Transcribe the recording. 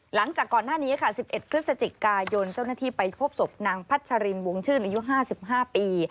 หลังจากก่อนหน้านี้ค่ะ๑๑พฤศจิกายนเจ้าหน้าที่ไปพบศพนางพัชรินวงชื่นอายุ๕๕ปี